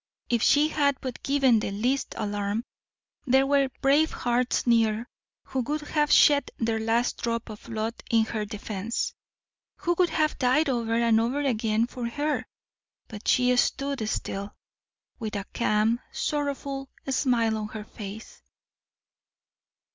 If she had but given the least alarm, there were brave hearts near who would have shed their last drop of blood in her defense, who would have died over and over again for her; but she stood still, with a calm, sorrowful smile on her face.